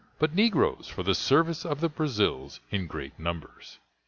but negroes, for the service of the Brazils, in great numbers.